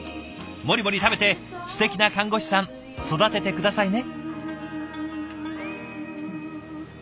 モリモリ食べてすてきな看護師さん育てて下さいね。